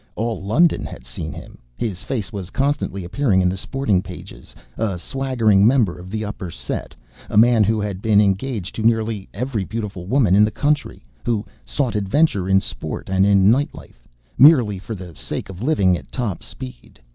All London had seen him. His face was constantly appearing in the sporting pages, a swaggering member of the upper set a man who had been engaged to nearly every beautiful woman in the country who sought adventure in sport and in night life, merely for the sake of living at top speed.